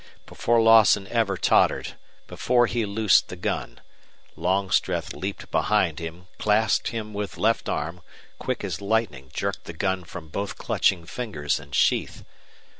Before Lawson ever tottered, before he loosed the gun, Longstreth leaped behind him, clasped him with left arm, quick as lightning jerked the gun from both clutching fingers and sheath.